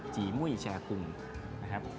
จีมุยชาคุงนะครับ